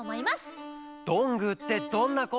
「どんぐーってどんなこ？」